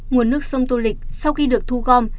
nguồn nước sông tô lịch sau khi được thu gom